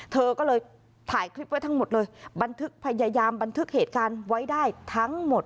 เธอก็เลยถ่ายคลิปไว้ทั้งหมดเลยบันทึกพยายามบันทึกเหตุการณ์ไว้ได้ทั้งหมด